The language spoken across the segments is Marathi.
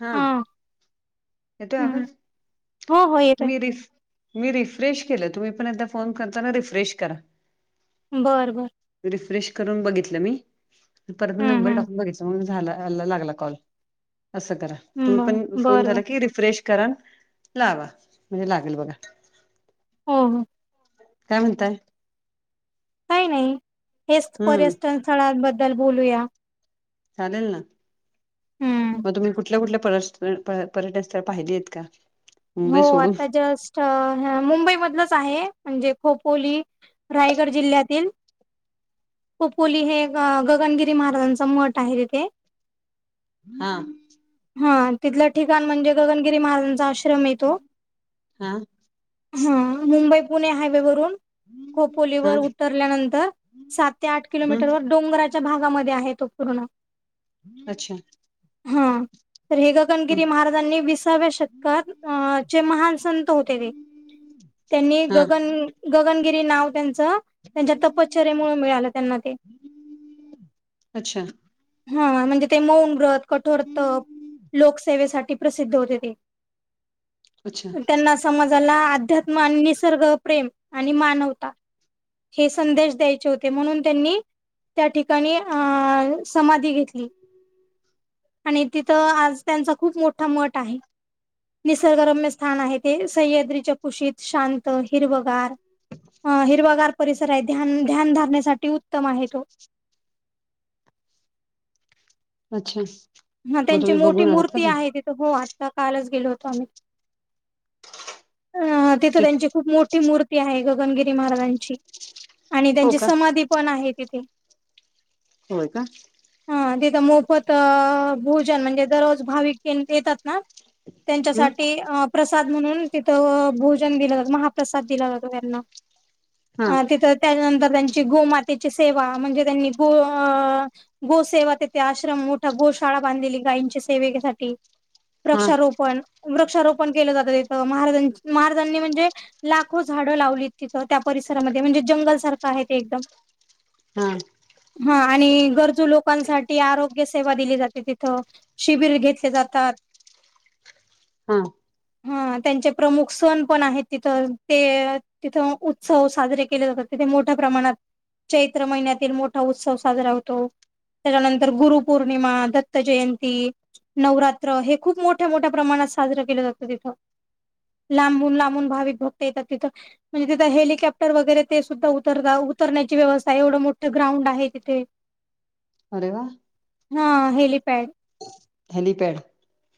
हा. येतोय हम्म आवाज हो हो येतोय मि रीस मी रिफ्रेश केलं तुम्ही पण एकदा फोन करताना रिफ्रेश करा. बरं बरं रिफ्रेश करून बघितलं मी परत हम्म नंबर हम्म टाकून बघितल. झालं ल लागला कॉल अस करा तुम्ही पण बर फोन बर झालं बर की रिफ्रेश करा लावा म्हणजे लागेल बघा हो हो. काय म्हणताय? काही नाही हेच हम्म पर्यटन स्थळांबद्दल बोलूया. चालेल ना हम्म मग तुम्ही कुठल्या कुठल्या पल प पर्यटन स्थळ पाहिले आहेत का? हो मुंबई सोडून आता जस्ट मुंबईमधलंच आहे म्हणजे खोपोली. रायगड जिल्ह्यातील खोपोली हे गगनगिरी महाराजांचा मठ आहे तिथे. हा. हा तिथलं ठिकाण म्हणजे गगनगिरी महाराजांचा आश्रम ये तो. हा हम्म मुंबई पुणे हायवे वरून खपोली हा वर उतरल्यानंतर सात ते आठ किलोमीटर व हम् डोंगरा च्या भागामध्ये आहे तो पूर्ण. अच्छा हा तर हे हम् गगनगिरी महाराजांनी विसाव्या शतकात. अ चे महान संत होते ते त्यांनी हा गगन गगनगिरी नाव त्यांचं त्यांच्या तपश्चर्येमुळे मिळालं त्यांना ते. अच्छा हा म्हणजे ते मौन व्रत कठोर तप लोकसेवेसाठी प्रसिद्ध होते ते. अच्छा त्यांना समाजाला अध्यात्म आणि निसर्ग प्रेम आणि मानवता. हे संदेश द्यायचे होते म्हणून त्यांनी त्या ठिकाणी अ समाधी घेतली. आणि तिथं आज त्यांचा खूप मोठा मठ आहे. निसर्गरम्य स्थान आहे ते सह्याद्रीच्या कुशीत शांत हिरवगार. ह हिरवागार परिसर आहे ध्यान ध्यान धारनेसाठी उत्तम आहे तो. अच्छा. ह मग त्यांची तुम्ही मोठी बघून आलात का मूर्ती आहे ते तिथे हो आत्ता कालच गेलो होतो आम्ही. अ तिथं त्यांची खूप मोठी मूर्ती आहे गगनगिरी महाराजांची आणि हो त्यांची का समाधी पण आहे तिथे. होय का? हा तिथं मोफत भोजन म्हणजे दररोज भाविक येतात ना? हम् त्यांच्यासाठी प्रसाद म्हणून तिथं भोजन दिलं जात महाप्रसाद दिला जातो त्यांना हा तिथं त्याच्यानंतर त्यांची गोमातेची सेवा म्हणजे त्यांनी गो गो सेवा तथे आश्रम मोठा गोशाळा बांधलेली गायंच्या सेवेसाठी. हा वृक्षारोपण वृक्षारोपण केलं जातं तीथं महाराज महाराजांनी म्हणजे लाखो झाडं लावलीत तिथं त्या परिसरामध्ये म्हणजे जंगलसारखं आहे ते एकदम. हम्म. हा आणि गरजू लोकांसाठी आरोग्य सेवा दिली जाते तिथं. शिबिर घेतले जातात. हा. हा त्यांचे प्रमुख सण पण आहेत तिथ ते तिथं उत्सव साजरे केले जातात तिथे मोठ्या प्रमाणात. चैत्र महिन्यातील मोठा उत्सव साजरा होतो. त्याच्यानंतर गुरुपौर्णिमा दत्त जयंती. नवरात्र हे खूप मोठ्या मोठ्या प्रमाणात साजरं केलं जातं तिथं. लांबून लांबून भाविक भक्त येतात तिथं. म्हणजे तिथे हेलिकॉप्टर वगैरे ते सुद्धा उतरता उतरण्याची व्यवस्था आहे एवढं मोठं ग्राउंड आहे तिथे. अरे वा. हा हेलीपॅड. हेलपॅड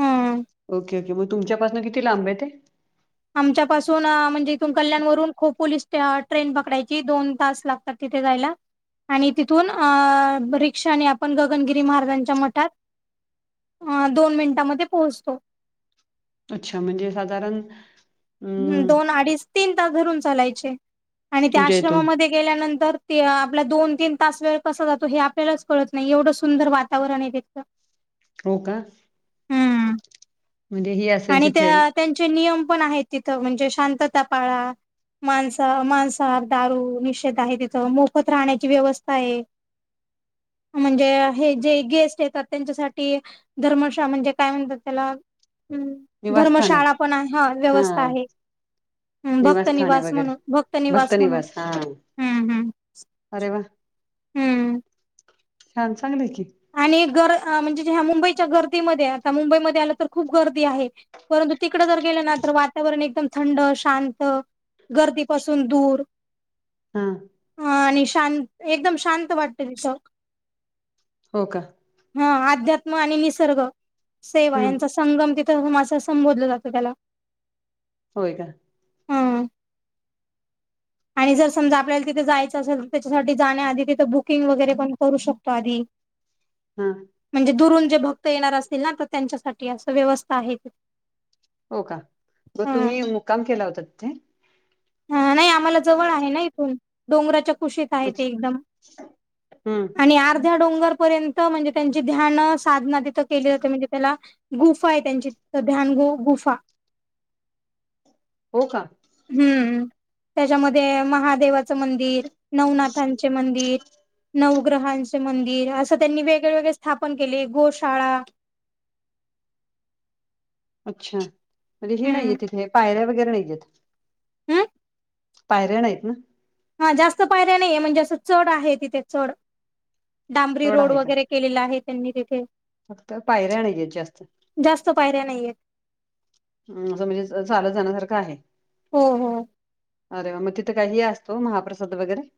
हा ओके ओके मग तुमच्यापासन किती लांब आहे ते. आमच्यापासून म्हणजे तु कल्याण वून खो पोलीस ट्रेन पकडायची दोन तास लाग तिथे जायला. आणि तिथून अ रिक्षाने आपण गगनगिरी महाराजांच्या मठात अ दोन मिनिटामध्ये पोहोचतो. अच्छा म्हणजे साधारण ह् अम दोन अडीच तीन तास धरून चालायचे आणि त्या तुमच्या इथून आश्रमामध्ये गेल्यानंतर ते आपला दोन तीन तास वेळ कसा जातो हे आपल्यालाच कळत नाही एवढं सुंदर वातावरण आहे तितलं. हो का म्हणजे ह अस आणि त्या त्यांचे नियम पण आहेत तिथं म्हणजे शांतता पाळा. माणसा मांसाहार दारू निषेध आहे तिथं मोफत राहण्याची व्यवस्था आहे. [unintelligible] म्हणजे हे जे गेस्ट येतात त्यांच्यासाठी धर्मशा म्हणजे काय म्हणतात त्याला. हम्म धर्मशाळा पण आहे हा व्यवस्था आहे. हम् भक्त निवासस्थान आहे निवास म्हणून वगैरे भक्त निवास म्हणून हम्म हम्. अरे वा. हम्म छान चांगलंय की. आणि गर म्हणजे ह्या मुंबईच्या गर्दीमध्ये आता मुंबईमध्ये आलं तर खूप गर्दी आहे. परंतु तिकडें जर गेलं ना तर वाता वरण एकदम थंड शांत गर्दीपासून दूर हा. ह आणि शांत एकदम शांत वाटते तिथ. हो का. हा अध्यात्म आणि निसर्ग सेवा हम्म यांचा संगम तिथं माझं संबोधलं जातं त्याला. होय का. ह आणि जर समजा आपल्याला तिथे जायचं असेल तर त्याच्यासाठी जाण्याआधी तिथं बुकिंग वगैरे पण करू शकतो आधी, हम. म्हणजे दुरून जे भक्त येणार असतील ना तर त्यांच्यासाठी असे व्यवस्था आहे ती हो का. मग तुम्ही. काम केला होतात ते. हा नाही आम्हाला जवळ आहे ना इथून डोंगराच्या कुशीत.... अच्छा एकदम हम्म आणि अर्ध्या डोंगरपर्यंत... म्हणजे त्यांची ध्यान साधना तिथं केली जाते म्हणजे त्याला.... गुफा आहे त्यांची ध्यान गो गुफा.... हो का? हम्म त्यांच्यामध्ये महादेवाच मंदिर नवनाथांचे मंदिर... नवग्रहांचे मंदिर असं त्यांनी वेगळे वेगळे स्थापन केले गोशाळा... अच्छा म्हणजे हे नाहीये हम्म. तिथे पायऱ्या वगैरे नाहीयेत... हम्म... पायऱ्या नाही आहेत ना.. हा जास्त पायऱ्या नाहीये म्हणजे असं चढ आहे तिथे चड डांबरी चढ रोड आहे का वगैरे.... केलेला आहे त्यांनी तिथे... फक्त पायऱ्या नाहीयेत जास्त.... जास्त पायऱ्या नाही येत... ह असं म्हणजे चालत जाण्यासारखं आहे.... हो हो.... अरे मग तिथे काही असतो महाप्रसाद वगैरे...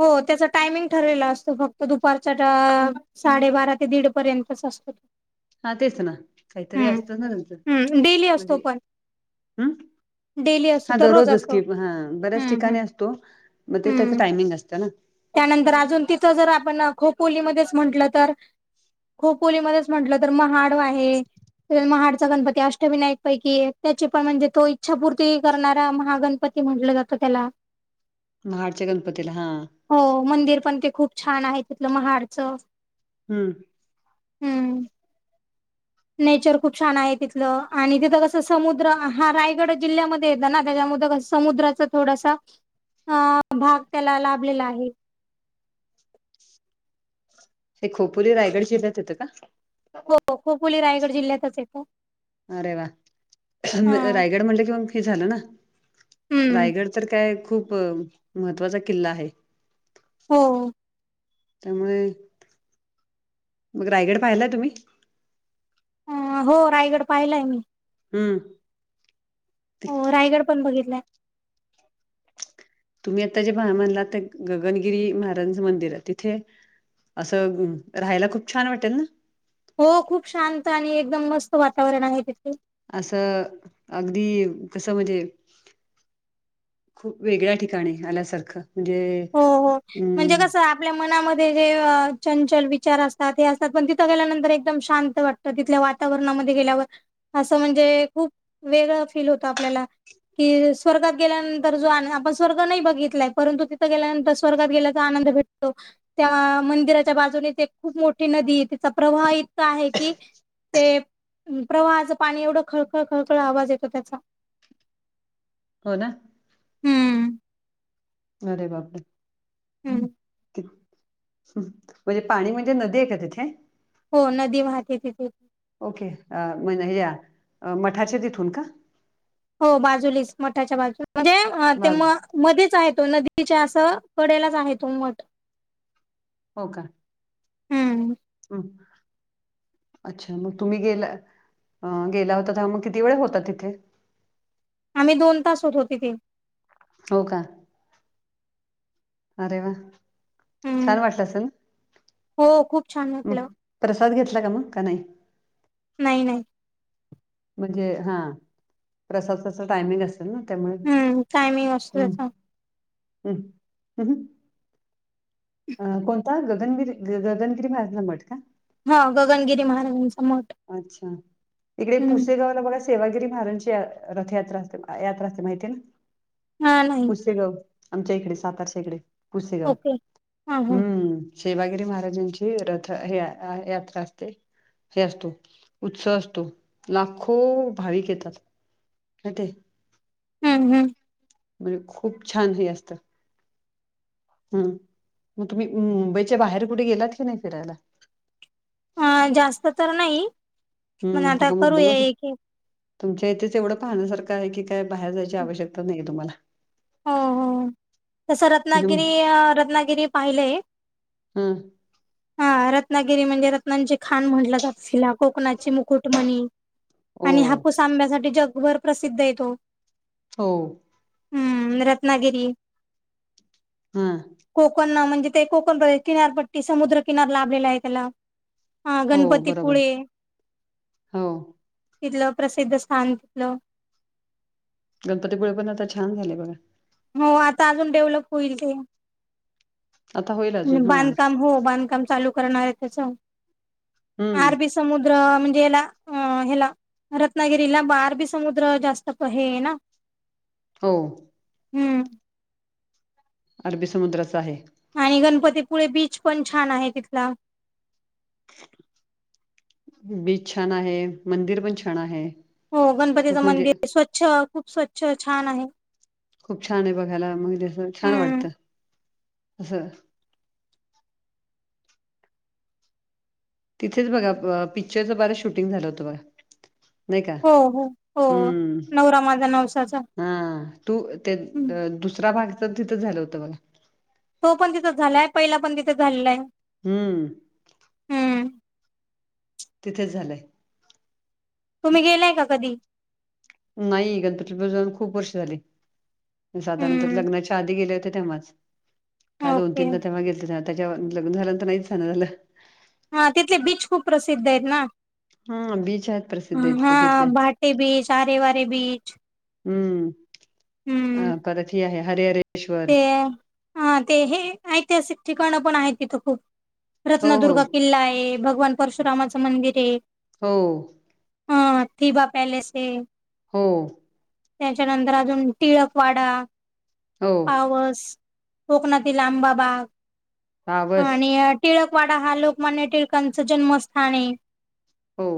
हो त्याचे टायमिंग ठरलेलं असतं फक्त दुपारच्या.... साडेबारा ते दीड पर्यंतच असतो तो..... हा तेच ना काहीतरी असत ना तचं हम्म डेली म्हणजे असतो पण हम्..... डेली अस... हा दररोजच स्किप हा बऱ्याच ठिकाणी असतो मग ते त्याच हम्म टायमिंग असतं ना... त्यानंतर अजून तिथं जर आपण खोपोलीमध्येच म्हटलं तर.... खोपली मध्येच म्हंटलं तर महाड आहे..... त्या महाडचा गणपती अष्टविनायक पैकी त्याची पण म्हणजे तो इच्छापूर्ती करणारा महागणपती..... म्हटलं जातं त्याला.... महाडच्या गणपतीला हा..... हो मंदिर पण ते खूप छान आहे तिथलं महाडचं.... हम्म..... हम्म.... नेचर खूप छान आहे तिथलं आणि तिथं कसं समुद्र हा रायगड जिल्ह्यामध्ये येत ना त्याच्यामुळ कसं.... समुद्राचा थोडासा भाग त्याला लाभलेला आहे.... हे खोपोली रायगड जिल्ह्यात येतं का? हो खोपोली रायगड जिल्ह्यातच आहे... अरे वा रायगड म्हणलं कि मग हे झालं ना हम्म रायगड.... तर काय खूप महत्त्वाचा किल्ला आहे..... हो.... त्यामुळे मग रायगड पाहिलाय तुम्ही..... अ हो रायगड पाहिलाय मी..... हम्म.... हो रायगड पण बघितलाय.... तुम्ही आता जे भा मानला ते गगनगिरी महाराजांचं मंदिर आहे तिथे.... असं राहायला खूप छान वाटेल ना.... हो खूप शांत आणि एकदम मस्त वातावरण आहे तिथे..... असं अगदी कसं म्हणजे..... खूप वेगळ्या ठिकाणी आल्यासारखं म्हणजे..... हो हो म्हणजे अं कसं..... आपल्या मनामध्ये जे चंचल विचार असतात हे असतात पण तिथं गेल्यानंतर एकदम शांत वाटत..... तिथल्या वातावरणामध्ये गेल्यावर असं म्हणजे खूप वेगळं फील होतं आपल्याला.... कि स्वर्गात गेल्यानंतर जो आपण स्वर्ग नाही बघितलाय परंतु.... तिथं गेल्यानंतर स्वर्गात गेल्याचा आनंद भेटतो. त्या मंदिराच्या बाजूनेच एक खूप मोठी नदी ए. तिचा प्रवाह इतका आहे की ते प्रवाहाचं पाणी... एवढं खळखळ, खळकळ... आवाज येतो त्याचा हो ना? हम्म. अरे बापरे! हम्म म्हणजे पाणी म्हणजे नदी ए का तिथे? हो नदी वाहते तिथे ओके म्ह... या मठाच्या तिथून का? हो, बाजूलीच... मठाच्या बाजू... म्हणजे ते बाज म मध्येच आहे तो, नदीच्या असं कडेलाच आहे तो मठ हो का? हम्म हुं अच्छा, मग तुम्ही गेला... गेला होता, तर मग किती वेळ होता तिथे? आम्ही दोन तास होतो तिथे हो का... अरे वा! हम्म. छान वाटलं असन, हो खूप छान मग वाटलं. प्रसाद घेतला का मग, का नाही? नाही नाही म्हणजे हा, प्रसादचा असा टायमिंग अस ना त्यामुळे... हम्म. टायमिंग असतो हुं... त्याचा. हुं.. [unintelligible] अ... कोणता गगनगिरी... गगनगिरी महाराजांचा मठ का? हा, गगनगिरी महाराजांचा मठ. अच्छा, इकडे हम्म. पुसेगावला बघा सेवागिरी महाराजांची रथयात्रा असते, यात्रा असते, माहितीये ना, हा नाही. पुसेगाव आमच्या इकडे... सातारच्या इकडे... पुसेगाव... ओके. हां, हां. हम्म सेवागिरी महाराजांची रथ... हे यात्रा असते... हे असतो उत्सव असतो, लाखो... भाविक येतात, माहितीये? हुं.. हुं. म्हणजे खूप छान हे असतं ह... मग तुम्ही मुंबईच्या बाहेर कुठे गेलात की नाही फिरायला? अ... जास्त तर नाई हम्म... [unintelligible] तुमच्या इथेच एवढं पाहण्यासारखं आहे, की काय बाहेर जायची आवश्यकताच नाहीए तुम्हाला हो... हो, तसं म्हणजे रत्नागिरी... रत्नागिरी पाहिलंय हुं. हा... रत्नागिरी म्हणजे रत्नांची खाण म्हटलं जातं, कोकणाची मुकुटमणी ओ आणि हापूस आंब्यासाठी जगभर प्रसिद्ध ए तो हो. हम्म... रत्नागिरी हा. कोकण म्हणजे... ते कोकण किनारपट्टी... समुद्र किनार लाभलेला ए त्याला हा... हो बरोबर गणपतीपुळे हो तिथलं, प्रसिद्ध स्थान तिथलं गणपतीपुळे पण, आता छान झालंय बघा हो... आता अजून डेव्हलप होईल ते आता होईल अजून हा बांधकाम... हो बांधकाम चालू करणार ए त्याचं... हम्म आरबी समुद्र म्हणजे ह्येला.. ह्येला रत्नागिरीला... बारबी समुद्र जास्त हे ए ना हो. हम्म अरबी समुद्राच आहे. आणि गणपतीपुळे बीच पण छान आहे तिथला. बीच छान आहे. मंदिर पण छान आहे. हो खूप गणपतीचं म्हणजे मंदिर स्वच्छ, खूप स्वच्छ छान आहे. खूप छान आहे बघायला मग तस छान हम्म वाटत असं तिथेच बघा पिक्चरचं बरच शूटिंग झालं होतं. बघा नाही का हो, हो, हो. हम्म नवरा माझा नवसाचा. हा तू हं. दुसरा भागच तिथं झालं होतं बघा तो पण तिथं झालाय पहिला पण तिथं झालेला आहे. हम्म हं. तिथेच झालंय. तुम्ही गेलाय का कधी? नाही गणपती जाऊन खूप वर्ष झाली साधारणत हं. लग्नाच्या आधी गेले तेव्हाच काय दोन ओके. तीनदा तेव्हा गेलते, त्याच्यावर लग्न झाल्यानंतर नाही झालं हा तिथले बीच खूप प्रसिद्ध आहेत ना हा बीच आहेत प्रसिद्ध इथले तिथले हा ते बीच, आरे वारे बीच. हम्म हं. अ परत हे आहे हरे हरे ते हे ऐतिहासिक ठिकाण पण आहेत तिथं खूप हो हो रत्नदुर्गा किल्ला आहे, भगवान परशुरामाचं मंदिर आहे. हो हा थिबा पॅलेस आहे. हो त्याच्यानंतर अजून टिळकवाडा. हो कोकणातील आंबा बाग पावस आणि टिळकवाडा हा लोकमान्य टिळकांच जन्मस्थान आहे. हो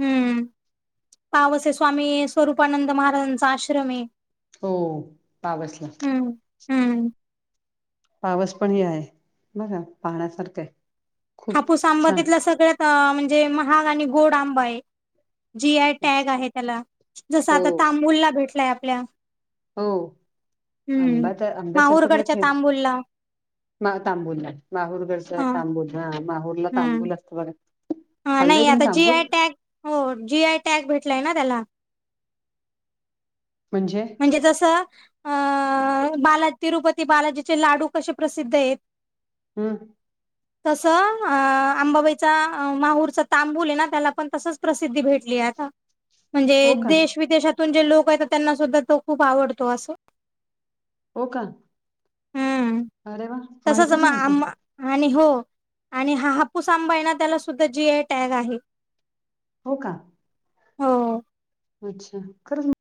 हम्म पावस स्वामी स्वरूपानंद महाराजांचा आश्रम आहे. हो पावसला. हम्म हम्म पावस पण ह आहे बर पाहण्यासारखं. खूप हापूस आंबा छान तिथला सगळ्यात म्हणजे महाग आणि गोड आंबा आहे. जी आय टॅग आहे त्याला जस हो आता तांबूलला भेटलाय आपल्या हो हम्म आंब्या तर आंब्यासारखं माहूरगडच्या तांबूलला काय तांबूला माहूरगडच हा तांबू हा माहूरला हम्म तांबूल असत बघ हा नाही आता जी आय टॅग हो जी आय टॅग भेटलाय ना त्याला म्हणजे म्हणजे जस अ बाला तिरुपती बालाजीचे लाडू कसे प्रसिद्ध आहेत. हां तसं अ आंबाबाईचा माहूरचा तांबू आहे ना त्याला पण तसंच प्रसिद्धी भेटली आहे आता. म्हणजे हो का? देश विदेशातून जे लोक येतात त्यांना सुद्धा तो खूप आवडतो असं. हो का हम्म अरे वा तसच म ग आम आणि हो आणि हा हापूस आंबा आहे ना त्याला सुद्धा जी आय टॅग आहे. हो का हो. अच्छा खरच